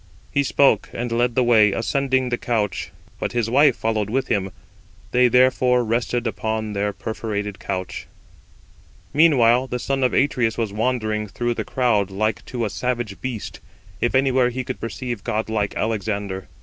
He spoke, and led the way, ascending the couch; but his wife followed with him: they therefore rested upon their perforated couch. Meanwhile the son of Atreus was wandering through the crowd like to a savage beast, if anywhere he could perceive godlike Alexander.